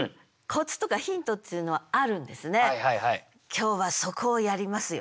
今日はそこをやりますよ。